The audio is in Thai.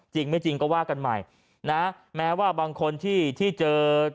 จริงไม่จริงก็ว่ากันใหม่นะแม้ว่าบางคนที่ที่เจอ